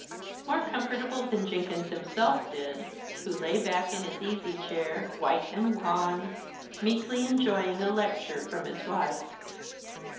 More comfortable than Jenkins himself did, who lay back in his easy chair, white and wan, meekly enjoying a lecture from his wife.